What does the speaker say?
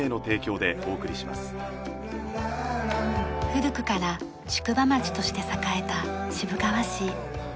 古くから宿場町として栄えた渋川市。